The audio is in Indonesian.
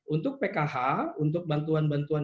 untuk pkh untuk bantuan bantuan